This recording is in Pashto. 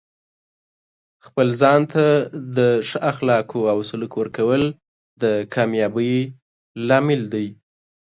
د خپل ځان ته د ښه اخلاقو او سلوک ورکول د کامیابۍ لامل دی.